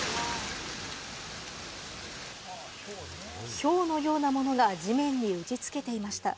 ひょうのようなものが地面に打ち付けていました。